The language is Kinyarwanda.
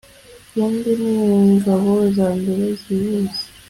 kumbe ningabo zambere zihuse